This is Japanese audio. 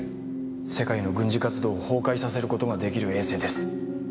世界の軍事活動を崩壊させる事ができる衛星です。